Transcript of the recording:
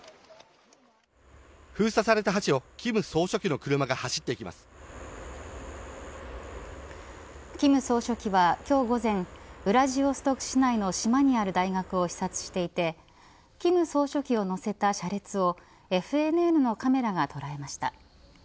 封鎖された橋を金総書記の車が走ってき金総書記は今日午前ウラジオストク市内の島にある大学を視察していて金総書記を乗せた車列をＦＮＮのカメラが捉えました。